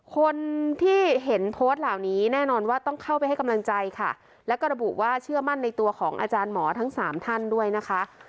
คนที่เห็นโพสต์เหล่านี้แน่นอนว่าต้องเข้าไปให้กำลังใจค่ะแล้วก็ระบุว่าเชื่อมั่นในตัวของอาจารย์หมอทั้งสามท่านด้วยนะคะ